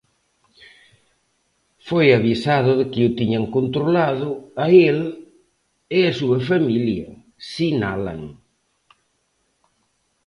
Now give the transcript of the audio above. Foi avisado de que o tiñan controlado a el e a súa familia, sinalan.